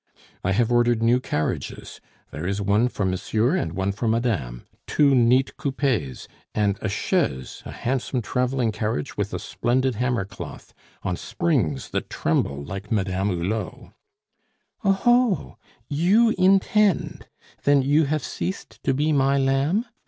"I have ordered new carriages; there is one for monsieur and one for madame, two neat coupes; and a chaise, a handsome traveling carriage with a splendid hammercloth, on springs that tremble like Madame Hulot." "Oh, ho! You intend? Then you have ceased to be my lamb?